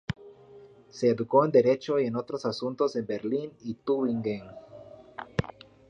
Se educó en Derecho y en otros asuntos en Berlín y Tübingen.